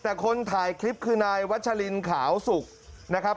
แต่คนถ่ายคลิปคือนายวัชลินขาวสุกนะครับ